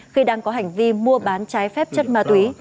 khi đang có hành vi mua bán trái phép chất ma túy